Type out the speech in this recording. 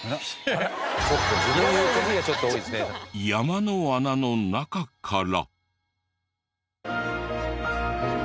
山の穴の中から。